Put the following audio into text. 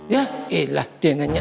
ya eh lah den nanya